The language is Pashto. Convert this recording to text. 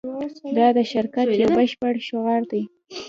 دا د شرکت یو بشپړ شعار دی